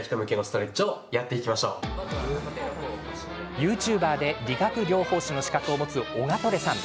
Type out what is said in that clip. ＹｏｕＴｕｂｅｒで理学療法士の資格を持つオガトレさん。